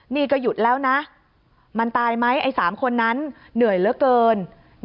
นี่ก็หยุดแล้วนะมันตายไหมไอ้๓คนนั้นเหนื่อยเหลือเกิน